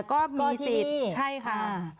ก็มีสิทธิ์ใช่ค่ะ